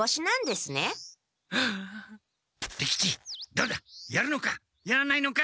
どうだやるのか？やらないのか？